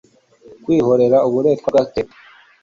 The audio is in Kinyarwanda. Kwihorera uburetwa bwa kera